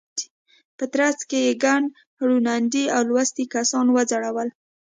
په ترڅ کې یې ګڼ روڼ اندي او لوستي کسان وځورول.